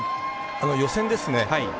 予選ですね